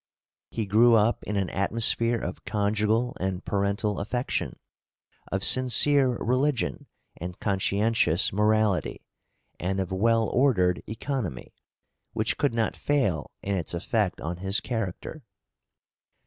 He grew up in an atmosphere of conjugal and parental affection, of sincere religion and conscientious morality, and of well ordered economy, which could not fail in its effect on his character.